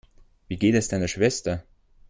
Wie geht es deiner Schwester?